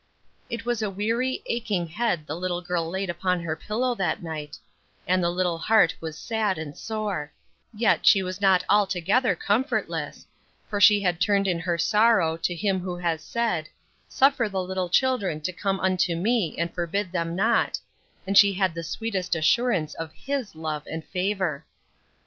It was a weary, aching head the little girl laid upon her pillow that night, and the little heart was sad and sore; yet she was not altogether comfortless, for she had turned in her sorrow to Him who has said, "Suffer the little children to come unto me, and forbid them not," and she had the sweet assurance of His love and favor.